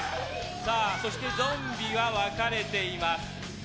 そしてゾンビは分かれています。